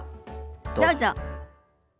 どうぞ。